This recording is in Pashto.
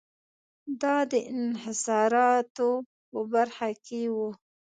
دا د انحصاراتو په برخه کې و.